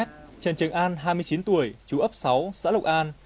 trần trường an hai mươi chín tuổi chú ấp sáu xã lộc an